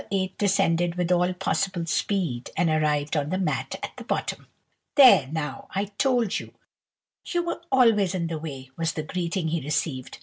8 descended with all possible speed, and arrived on the mat at the bottom. "There now, I told you, you were always in the way," was the greeting he received.